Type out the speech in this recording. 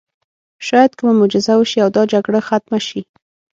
شاید کومه معجزه وشي او دا جګړه ختمه شي